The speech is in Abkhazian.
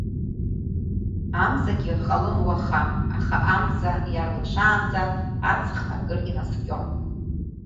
Амзагьы ҟалон уаха, аха амза иарлашаанӡа, аҵх акыр инаскьон.